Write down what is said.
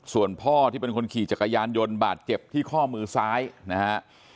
ส่วนพ่อที่เป็นคนขี่จักรยานยนต์บาดเจ็บที่ข้อมือซ้ายนะฮะ